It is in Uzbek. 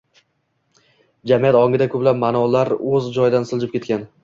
jamiyat ongida ko‘plab ma’nolar o‘z joyidan siljib ketgan